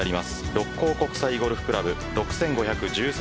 六甲国際ゴルフ倶楽部６５１３